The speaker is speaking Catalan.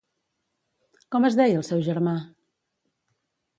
Com es deia el seu germà?